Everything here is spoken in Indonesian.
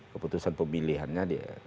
keputusan pemilihannya dia